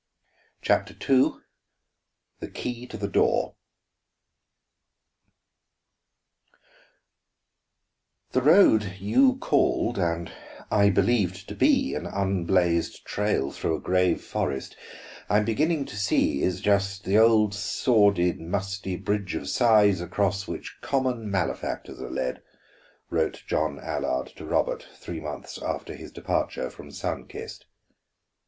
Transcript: CHAPTER II THE KEY TO THE DOOR "The road you called, and I believed to be, an unblazed trail through a grave forest, I am beginning to see is just the old sordid, musty Bridge of Sighs across which common malefactors are led," wrote John Allard to Robert three months after his departure from Sun Kist.